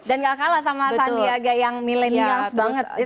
dan gak kalah sama sandiaga yang millenials banget gitu